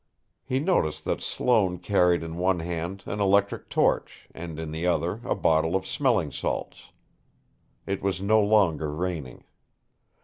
He noticed that Sloane carried in one hand an electric torch and in the other a bottle of smelling salts. It was no longer raining.